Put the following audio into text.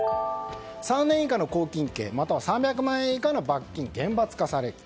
３年以下の拘禁刑、または３００万円以下の罰金厳罰化された。